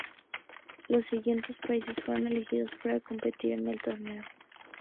Los siguientes países fueron elegidos para competir en el torneo.